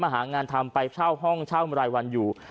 หางานทำไปเช่าห้องเช่ารายวันอยู่